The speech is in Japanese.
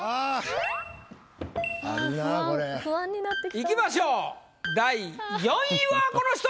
いきましょう第４位はこの人！